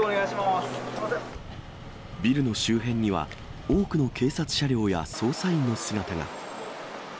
ビルの周辺には、多くの警察車両や捜査員の姿が。